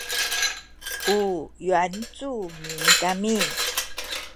u yuancumin kami